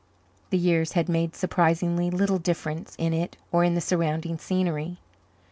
The years had made surprisingly little difference in it or in the surrounding scenery.